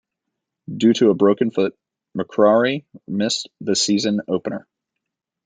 Due to a broken foot, McCrary missed the season opener.